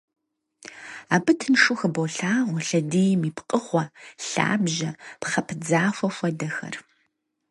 Абы тыншу хыболъагъуэ лъэдийм и пкъыгъуэ, лъабжьэ, пхъэ пыдзахуэ хуэдэхэр.